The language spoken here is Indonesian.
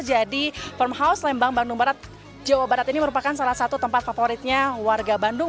jadi farmhouse lembang bandung barat jawa barat ini merupakan salah satu tempat favoritnya warga bandung